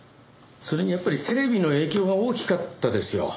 それにやっぱりテレビの影響が大きかったですよ。